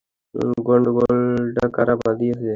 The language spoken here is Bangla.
গন্ডগোলটা কারা বাঁধিয়েছে?